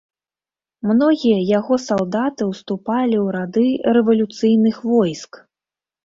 Многія яго салдаты ўступалі ў рады рэвалюцыйных войск.